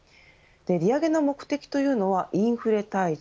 利上げの目的というのはインフレ退治。